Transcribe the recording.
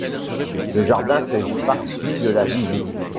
Le jardin fait partie de la visite.